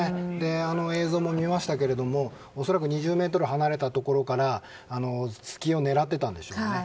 あの映像も見ましたけれども恐らく２０ｍ離れたところから隙を狙っていたんでしょうね。